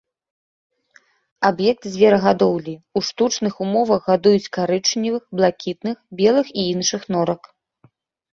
Аб'ект зверагадоўлі, у штучных умовах гадуюць карычневых, блакітных, белых і іншых норак.